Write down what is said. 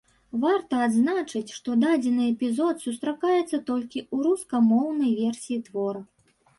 Варта адзначыць, што дадзены эпізод сустракаецца толькі ў рускамоўнай версіі твора.